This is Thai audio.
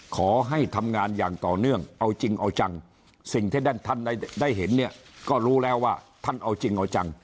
ขอให้ทำงานอย่างต่อเนื่องเอาจริงเอาจังสิ่งที่ท่านท่านได้เห็นเนี่ยก็รู้แล้วว่าท่านเอาจริงเอาจัง